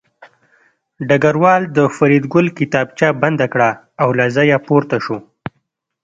ډګروال د فریدګل کتابچه بنده کړه او له ځایه پورته شو